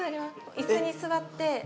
椅子に座って。